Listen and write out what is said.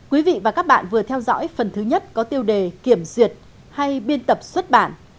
quý vị và các bạn vừa theo dõi phần thứ nhất có tiêu đề kiểm duyệt hay biên tập xuất bản